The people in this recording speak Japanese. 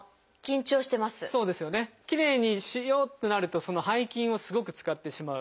きれいにしようってなると背筋をすごく使ってしまう。